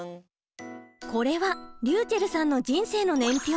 これはりゅうちぇるさんの人生の年表。